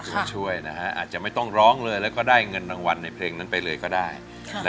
ตัวช่วยอาจจะไม่ต้องร้องเลยแล้วก็ได้เงินรางวัลในเพลงนั้นไปเลยก็ได้